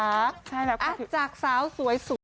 อัจจักรสาวสวย